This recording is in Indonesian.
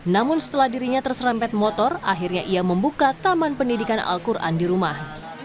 namun setelah dirinya terserempet motor akhirnya ia membuka taman pendidikan al quran di rumah